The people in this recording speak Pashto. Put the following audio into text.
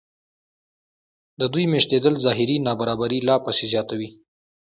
د دوی مېشتېدل ظاهري نابرابري لا پسې زیاتوي